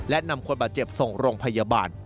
และนำคนบาดเจ็บส่งโรงพยาบาล